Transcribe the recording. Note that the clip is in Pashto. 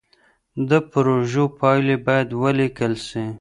د پروژو پايلې بايد وليکل سي.